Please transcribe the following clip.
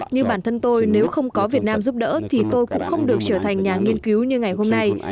như bản thân tôi nếu không có việt nam giúp đỡ thì tôi cũng không được trở thành nhà nghiên cứu như ngày hôm nay